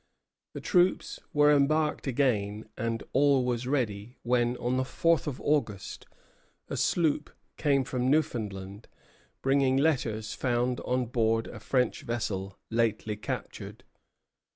The troops were embarked again, and all was ready, when, on the fourth of August, a sloop came from Newfoundland, bringing letters found on board a French vessel lately captured.